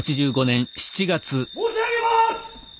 申し上げます！